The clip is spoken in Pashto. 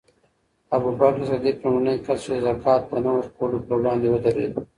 ابوبکر صدیق لومړنی کس و چې د زکات د نه ورکوونکو پر وړاندې ودرېد.